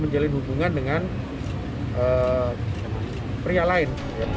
menjalin hubungan dengan pria lain